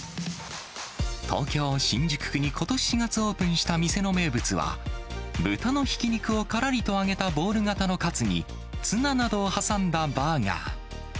東京・新宿区にことし４月オープンした店の名物は、豚のひき肉をからりと揚げたボール形のカツにツナなどを挟んだバーガー。